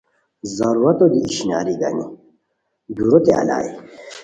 ضرورتو دی اشناری گانی دُوروت الائے